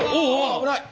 危ない！